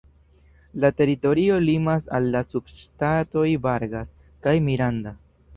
La teritorio limas al la subŝtatoj "Vargas" kaj "Miranda".